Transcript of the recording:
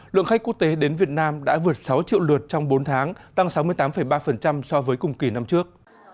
lượng khách quốc tế đến việt nam đã vượt sáu triệu lượt trong bốn tháng tăng sáu mươi tám ba so với cùng kỳ năm trước